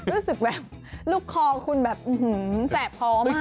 รู้สึกแบบลูกคอคุณแบบอื้อหือแสบคอมาก